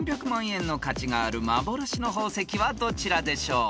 円の価値がある幻の宝石はどちらでしょう］